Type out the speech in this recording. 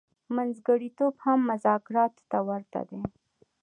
منځګړتوب هم مذاکراتو ته ورته دی.